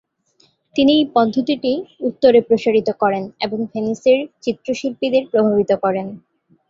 তিনি এই পদ্ধতিটি উত্তরে প্রসারিত করেন এবং ভেনিসের চিত্রশিল্পীদের প্রভাবিত করেন।